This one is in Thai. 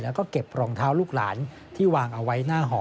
แล้วก็เก็บรองเท้าลูกหลานที่วางเอาไว้หน้าหอ